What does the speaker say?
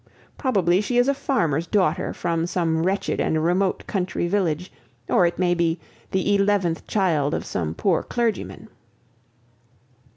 Probably she is a farmer's daughter from some wretched and remote country village, or, it may be, the eleventh child of some poor clergyman!